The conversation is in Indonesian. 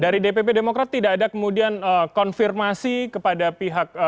dari dpp demokrat tidak ada kemudian konfirmasi kepada pihak